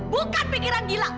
bukan pikiran gila